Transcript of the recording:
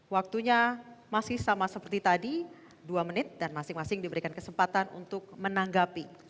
waktunya masih sama seperti tadi dua menit dan masing masing diberikan kesempatan untuk menanggapi